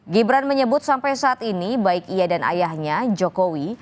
gibran menyebut sampai saat ini baik ia dan ayahnya jokowi